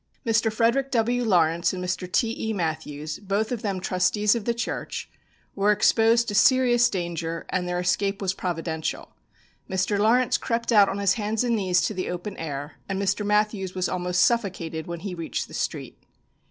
Mr. Frederick W. Lawrence and Mr. T.E. Matthews, both of them trustees of the church, were exposed to serious danger and their escape was providential. Mr. Lawrence crept out on his hands and knees to the open air, and Mr. Matthews was almost suffocated when he reached the street.